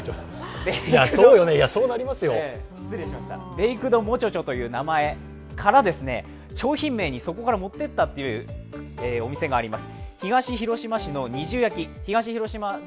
ベイクドモチョチョという名前から商品名にそこから持っていったというお店があります。